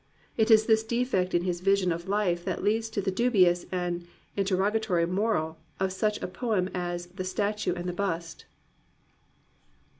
It is this defect in his vision of life that leads to the dubious and interrogatory moral of such a poem as The Statue and the Bust.